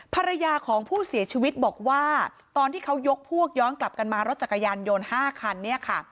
ภรรยาของผู้เสียชีวิตบอกว่าตอนที่เขายกพวกย้อนกลับกันมารถจักรยานยนต์๕คันเนี่ยค่ะ